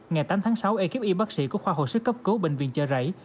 ngày tám tháng sáu ekip y bác sĩ của khoa hội sức cấp cố bệnh viện chợ rẫy